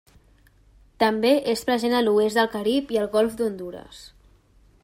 També és present a l'oest del Carib i al Golf d'Hondures.